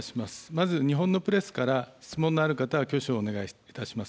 まず、日本のプレスから質問のある方は挙手をお願いいたします。